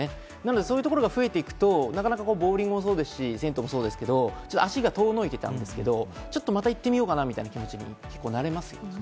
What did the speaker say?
そういうところが増えていくと、ボウリングも銭湯もそうですが足が遠のいていたんですけど、またちょっと行ってみようかなって気持ちになりますね。